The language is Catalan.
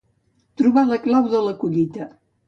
Trobar la clau de la collita.